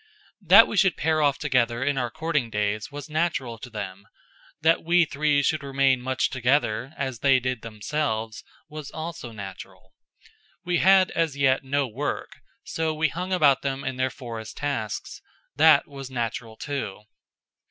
That we should pair off together in our courting days was natural to them; that we three should remain much together, as they did themselves, was also natural. We had as yet no work, so we hung about them in their forest tasks; that was natural, too.